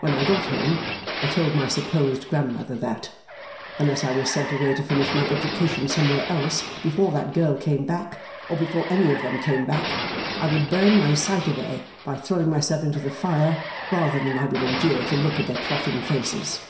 When I got home, I told my supposed grandmother that, unless I was sent away to finish my education somewhere else before that girl came back, or before any one of them came back, I would burn my sight away by throwing myself into the fire, rather than I would endure to look at their plotting faces.